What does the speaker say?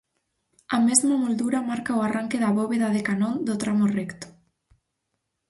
A mesma moldura marca o arranque da bóveda de canón do tramo recto.